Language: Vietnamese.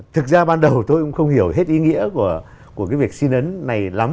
thực ra ban đầu tôi cũng không hiểu hết ý nghĩa của cái việc xin ấn này lắm